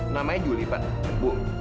namanya juli pak bu